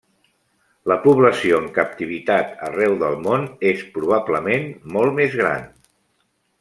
La població en captivitat arreu del món és probablement molt més gran.